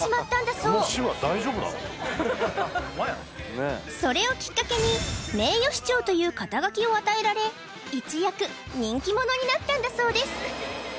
そうそれをきっかけに名誉市長という肩書を与えられ一躍人気者になったんだそうです